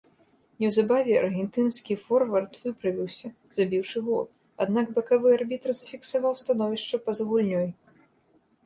Неўзабаве аргентынскі форвард выправіўся, забіўшы гол, аднак бакавы арбітр зафіксаваў становішча па-за гульнёй.